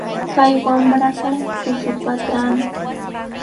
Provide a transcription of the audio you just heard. Kay wamraqa tushupatrami.